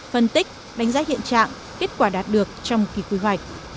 phân tích đánh giá hiện trạng kết quả đạt được trong kỳ quy hoạch